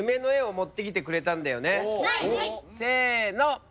せの。